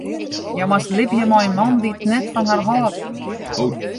Hja moast libje mei in man dy't net fan har hold.